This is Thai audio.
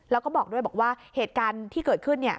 แล้วก็บอกด้วยบอกว่าเหตุการณ์ที่เกิดขึ้น